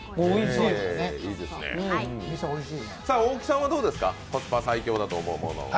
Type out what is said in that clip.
大木さんはコスパ最強だと思うもの。